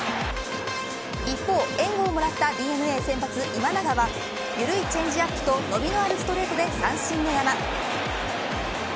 一方、援護をもらったＤｅＮＡ先発今永は緩いチェンジアップと伸びのあるストレートで三振の山。